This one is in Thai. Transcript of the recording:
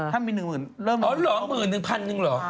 ถ้ามี๑๑๐๐๐เริ่มหนึ่ง